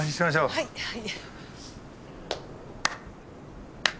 はいはい。